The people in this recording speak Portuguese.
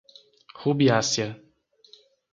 Rubiácea